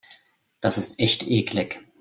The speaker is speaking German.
Das ist echt eklig.